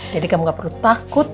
jadi kamu gak perlu takut